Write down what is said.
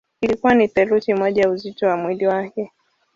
Ilikuwa ni theluthi moja ya uzito wa mwili wake.